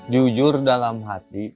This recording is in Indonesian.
jujur dalam hati